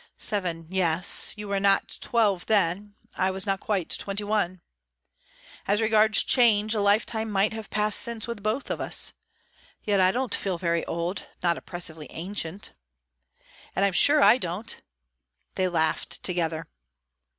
"Seven; yes. You were not twelve then; I was not quite twenty one. As regards change, a lifetime might have passed since, with both of us. Yet I don't feel very old, not oppressively ancient." "And I'm sure I don't." They laughed together.